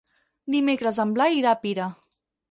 Dimecres en Blai irà a Pira.